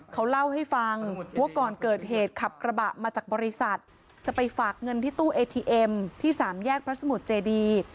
เขาเล่าให้ฟังว่าก่อนเกิดเหตุขับกระบะมาจากบริษัทจะไปฝากเงินที่ตู้เอทีเอ็มที่สามแยกพระสมุทรเจดี